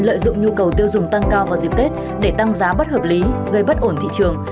lợi dụng nhu cầu tiêu dùng tăng cao vào dịp tết để tăng giá bất hợp lý gây bất ổn thị trường